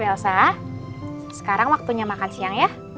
elsa sekarang waktunya makan siang ya